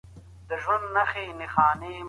د کليسا قانون په ټولو يو ډول و.